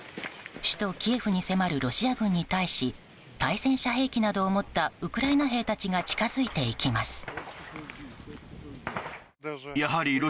首都キエフに迫るロシア軍に対し対戦車兵器などを持ったウクライナ兵たちが近づいていきます。